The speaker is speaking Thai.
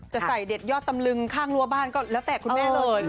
จะใส่เด็ดยอดตำลึงข้างรั้วบ้านก็แล้วแต่คุณแม่เลย